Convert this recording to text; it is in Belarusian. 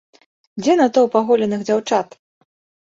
Дзе натоўп аголеных дзяўчат?!